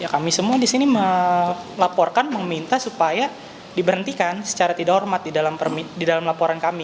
kami semua di sini melaporkan meminta supaya diberhentikan secara tidak hormat di dalam laporan kami